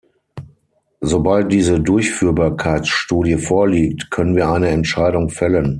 Sobald diese Durchführbarkeitsstudie vorliegt, können wir eine Entscheidung fällen.